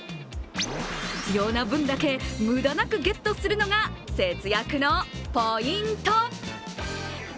必要な分だけ無駄なくゲットするのが節約のポイント。